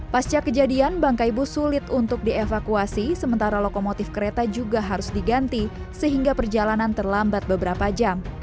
pasca kejadian bangkai bus sulit untuk dievakuasi sementara lokomotif kereta juga harus diganti sehingga perjalanan terlambat beberapa jam